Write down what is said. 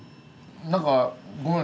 何かごめん。